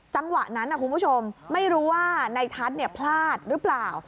จังหวะนั้นคุณผู้ชมไม่รู้ว่าในทัศน์พลาดหรือเปล่า